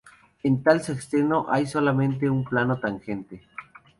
En tal sexteto hay solamente un plano tangente.